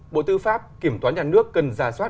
bộ tư pháp kiểm toán nhà nước cần ra soát